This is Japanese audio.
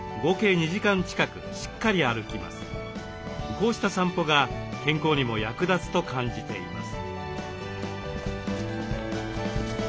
こうした散歩が健康にも役立つと感じています。